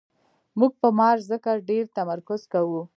موږ په مار ځکه ډېر تمرکز کوو.